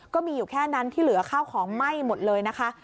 ก็มีอยู่แค่นั้นที่เหลือข้าวของไหม้หมดเลยนะคะ